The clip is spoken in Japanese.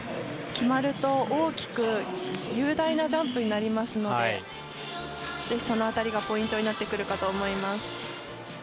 決まると大きく雄大なジャンプになりますのでその辺りがポイントになってくると思います。